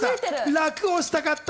楽をしたかった。